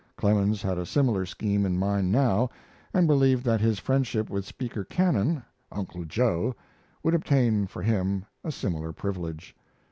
Clemens had a similar scheme in mind now, and believed that his friendship with Speaker Cannon "Uncle Joe" would obtain for him a similar privilege.